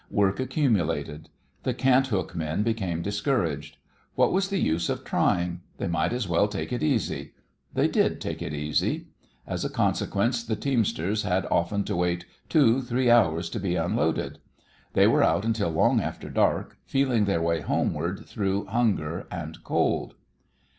Work accumulated. The cant hook men became discouraged. What was the use of trying? They might as well take it easy. They did take it easy. As a consequence the teamsters had often to wait two, three hours to be unloaded. They were out until long after dark, feeling their way homeward through hunger and cold.